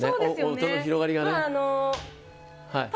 音の広がりがね